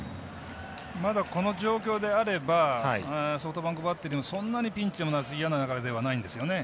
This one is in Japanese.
まだこの状況であればソフトバンクバッテリーもそんなにピンチとなる嫌な流れではないですよね。